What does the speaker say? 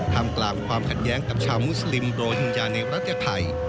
ทำกลางความขัดแย้งกับชาวมุสลิมโรฮิงญาในรัฐยาไทย